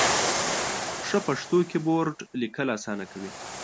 ښه پښتو کېبورډ ، لیکل اسانه کوي.